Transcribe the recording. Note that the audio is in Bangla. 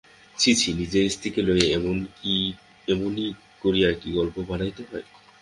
ছি ছি নিজের স্ত্রীকে লইয়া এমনি করিয়া কি গল্প বানাইতে হয়?